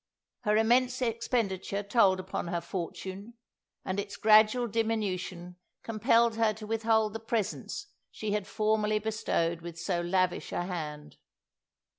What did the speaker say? Her immense expenditure told upon her fortune, and its gradual diminution compelled her to withhold the presents she had formerly bestowed with so lavish a hand.